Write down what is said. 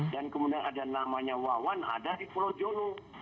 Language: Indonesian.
dan kemudian ada namanya wawan ada di pulau jolo